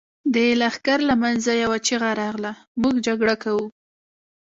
د لښکر له مينځه يوه چيغه راغله! موږ جګړه کوو.